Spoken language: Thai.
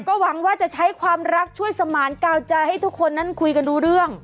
ก็หวังว่าจะใช้ความรักช่วยสมานกาวใจให้ทุกคนนั้นคุยกันรู้เรื่อง